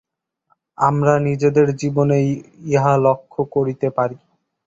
আমরা নিজেদের জীবনেই ইহা লক্ষ্য করিতে পারি।